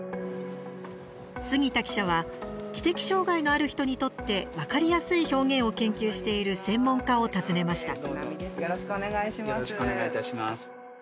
杉田記者は知的障害のある人にとって分かりやすい表現を研究している専門家を訪ねました。